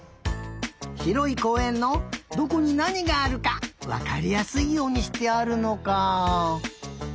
ひろいこうえんのどこになにがあるかわかりやすいようにしてあるのか。